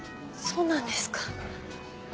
そうなんですか。